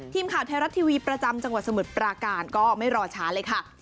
ทีมข่าวไทยรัฐทีวีประจำจังหวัดสมุทรปราการก็ไม่รอช้าเลยค่ะ